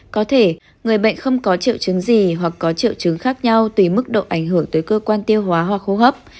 có thể người bệnh không có triệu chứng gì hoặc có triệu chứng khác nhau tùy mức độ ảnh hưởng tới cơ quan tiêu hóa hoặc hô hấp